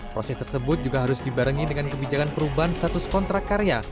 proses tersebut juga harus dibarengi dengan kebijakan perubahan status kontrak karya